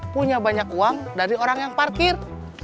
punya banyak uang dari orang yang parkir